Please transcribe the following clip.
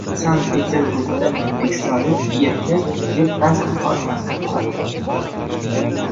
Sankt-Peterburgda o‘zbekistonlik erkak yo‘l-transport hodisasida halok bo‘ldi